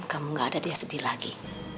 kamu gak ada dia sedih lagi